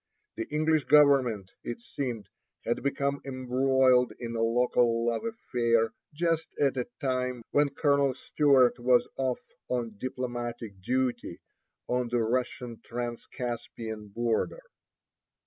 The English government, it seemed, had become embroiled in a local love affair just at a time when Colonel Stewart was off on "diplomatic duty" on the Russian Transcaspian border.